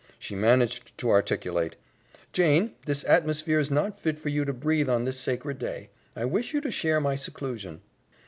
She managed to articulate, "Jane, this atmosphere is not fit for you to breathe on this sacred day. I wish you to share my seclusion."